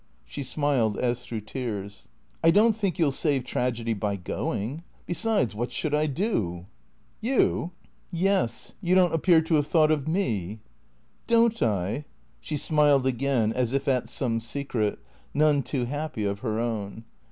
She smiled as through tears. " I don't think you 'U save tragedy by going. Besides, what should I do?" "You?" " Yes. You don't appear to have thought of me." " Don't I ?" She smiled again, as if at some secret, none too happy, of her own.